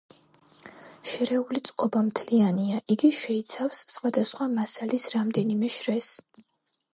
შერეული წყობა მთლიანია, იგი შეიცავს სხვადასხვა მასალის რამდენიმე შრეს.